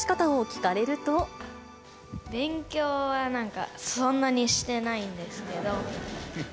勉強はなんか、そんなにしてないんですけど。